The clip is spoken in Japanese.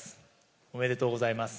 おめでとうございます。